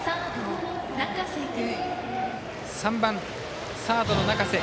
３番、サードの中瀬。